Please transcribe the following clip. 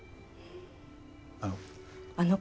あの。